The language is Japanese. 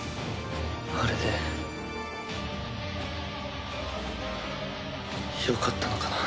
あれでよかったのかな？